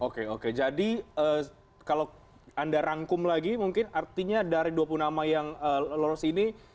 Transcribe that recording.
oke oke jadi kalau anda rangkum lagi mungkin artinya dari dua puluh nama yang lolos ini